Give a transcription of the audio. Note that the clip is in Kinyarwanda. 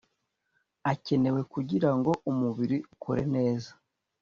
akenewe kugira ngo umubiri ukore neza